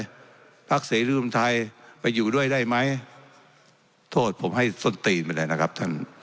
พักเสรีรวมไทยไปอยู่ด้วยได้ไหมโทษผมให้ส้นตีนไปเลยนะครับท่าน